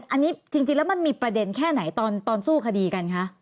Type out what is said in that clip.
อันนี้จริงแล้วมันมีประเด็นแค่ไหนตอนสู้คดีกันคะ